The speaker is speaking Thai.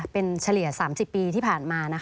เป็นเฉลี่ย๓๐ปีที่ผ่านมา